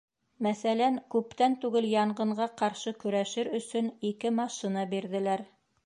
Мәҫәлән, күптән түгел янғынға ҡаршы көрәшер өсөн ике машина бирҙеләр.